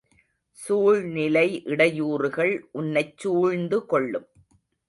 சூழ்நிலை இடையூறுகள் உன்னைச் சூழ்ந்து கொள்ளும்.